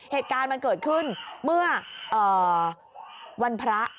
เหตุการณ์มันเกิดขึ้นเมื่อวันพระ